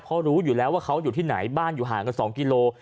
เพราะรู้อยู่แล้วว่าเขาอยู่ที่ไหนบ้านอยู่ห่างกัน๒กิโล